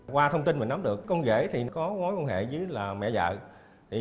qua thông tin mình nắm được con dễ thì có mối quan hệ với mẹ vợ